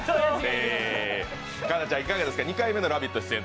え、環奈ちゃん、いかがですか２回目の「ラヴィット！」は。